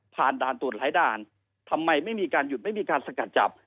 ด่านตรวจหลายด่านทำไมไม่มีการหยุดไม่มีการสกัดจับ